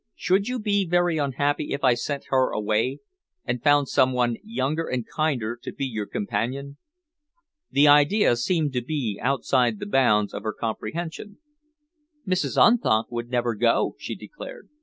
"Should you be very unhappy if I sent her away and found some one younger and kinder to be your companion?" The idea seemed to be outside the bounds of her comprehension. "Mrs. Unthank would never go," she declared.